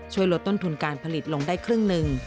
ช่วยลดต้นทุนการผลิตลงได้ครึ่งหนึ่ง